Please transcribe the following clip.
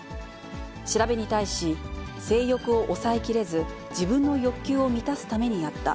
調べに対し、性欲を抑えきれず、自分の欲求を満たすためにやった。